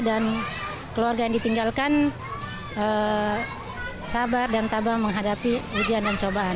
keluarga yang ditinggalkan sabar dan tabang menghadapi ujian dan cobaan